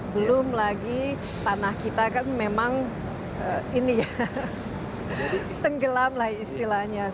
belum lagi tanah kita kan memang tenggelam istilahnya